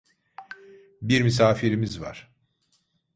Bir misafirimiz var.